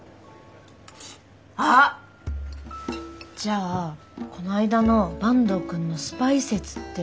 あっじゃあこないだの坂東くんのスパイ説って。